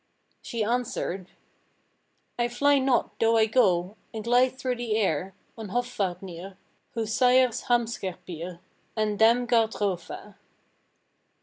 "She answered, "'I fly not though I go, And glide through the air On Hofvarpnir, Whose sire's Hamskerpir, And dam Gardrofa.'